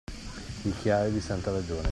Picchiare di santa ragione.